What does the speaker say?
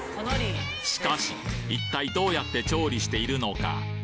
しかし一体どうやって調理しているのか？